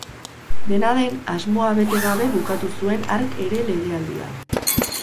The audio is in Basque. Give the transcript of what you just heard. Dena den, asmoa bete gabe bukatu zuen hark ere legealdia.